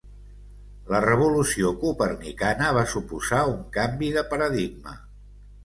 La revolució copernicana va suposar un canvi de paradigma.